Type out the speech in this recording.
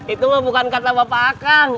itu bukan kata bapak kang